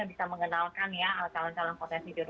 bisa mengenalkan ya calon calon potensial